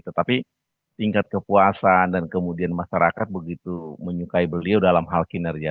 tetapi tingkat kepuasan dan kemudian masyarakat begitu menyukai beliau dalam hal kinerja